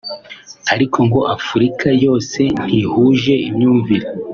ariko ngo Afurika yose ntihuje imyumvire